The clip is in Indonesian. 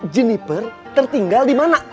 jennifer tertinggal di mana